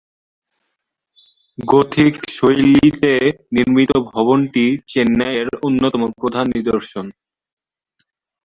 Gothic শৈলীতে নির্মিত ভবনটি চেন্নাইয়ের অন্যতম প্রধান নিদর্শন।